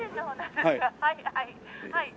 はいはい」